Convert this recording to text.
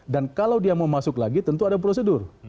dan kalau dia mau masuk lagi tentu ada prosedur